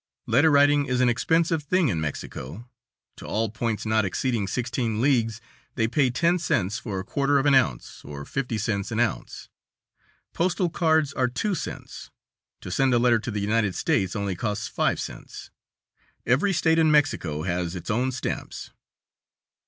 Letter writing is an expensive thing in Mexico; to all points not exceeding sixteen leagues, they pay ten cents for a quarter of an ounce, or fifty cents an ounce. Postal cards are two cents; to send a letter to the United States only costs five cents. Every state in Mexico has its own stamps.